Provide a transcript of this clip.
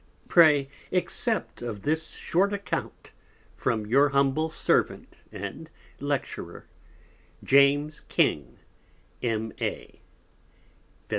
Pray accept of this short Account from Your Humble Servant, and Lecturer, Feb.